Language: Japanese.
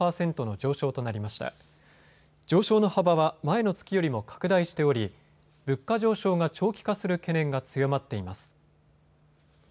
上昇の幅は前の月よりも拡大しており物価上昇が長期化する懸念が強まっています。